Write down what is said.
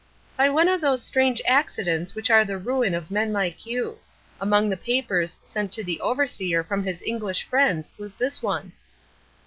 "By one of those strange accidents which are the ruin of men like you. Among the papers sent to the overseer from his English friends was this one."